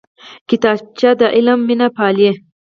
کتابچه د علم مینه پالي